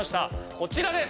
こちらです。